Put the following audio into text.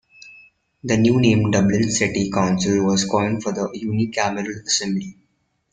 The new name "Dublin City Council" was coined for the unicameral assembly.